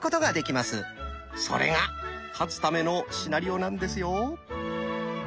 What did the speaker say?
それが勝つためのシナリオなんですよ。